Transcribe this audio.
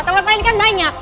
tempat main kan banyak